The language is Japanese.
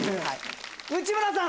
内村さん